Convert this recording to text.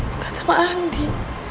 bukan sama andi